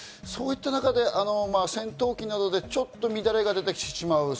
そういった中で戦闘機などで、ちょっと乱れが出てしまう。